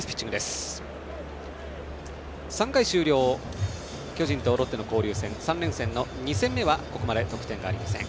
３回終了、巨人とロッテの３連戦の２戦目はここまで得点がありません。